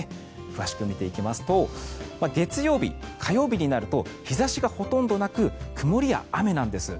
詳しく見ていきますと月曜日、火曜日になると日差しがほとんどなく曇りや雨なんです。